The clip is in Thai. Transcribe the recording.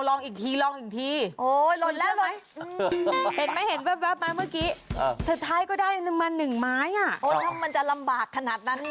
โอ๊ยมันจะลำบากขนาดนั้น